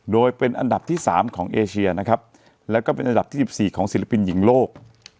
โดยเป็นอันดับที่๓ของเอเชียนะครับแล้วก็เป็นอันดับที่๑๔ของศิลปินหญิงโลก